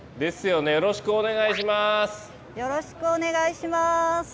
よろしくお願いします！